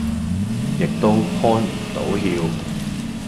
亦都開唔到竅